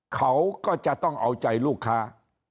เขาก็จะต้องเอาใจลูกค้า